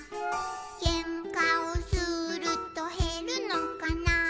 「けんかをするとへるのかな」